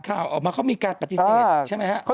ข่าวออกมาเขามีการปฏิเสธใช่ไหมฮะ